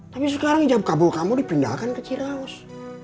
tapi sekarang jam kabul kamu dipindahkan ke ciraus